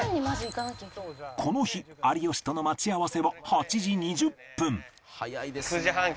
この日有吉との待ち合わせは８時２０分